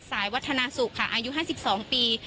วัฒนาสุขค่ะอายุ๕๒ปี